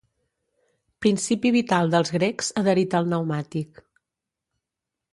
Principi vital dels grecs adherit al pneumàtic.